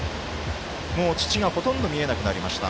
もう土がほとんど見えなくなりました。